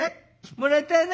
「もらったの」。